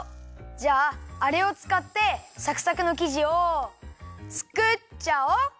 じゃああれをつかってサクサクのきじをつくっちゃおう！